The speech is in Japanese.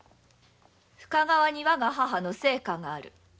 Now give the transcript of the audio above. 深川にわが母の生家がある。